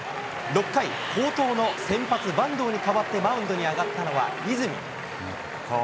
６回、好投の先発、板東に代わって、マウンドに上がったのは泉。